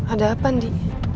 ada apa andi